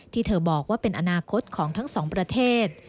ที่เธอบอกว่าเป็นอนาคตของทั้งสองประเทศ